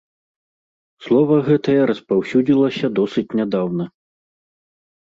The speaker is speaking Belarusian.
Слова гэтае распаўсюдзілася досыць нядаўна.